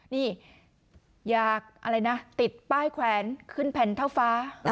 นี่อยากอะไรนะติดป้ายแขวนขึ้นแผ่นเท่าฟ้า